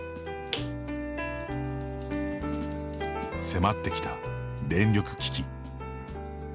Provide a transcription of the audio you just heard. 迫ってきた電力危機。